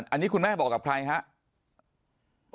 อันนี้คุณแม่บอกกับใครครับ